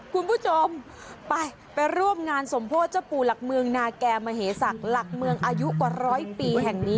คุณผู้ชมไปร่วมงานหลักเมืองหลักเมืองอายุกว่า๑๐๐ปีแห่งนี้